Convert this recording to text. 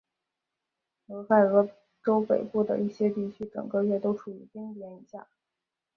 俄亥俄州北部的一些地区整个月都处于冰点以下。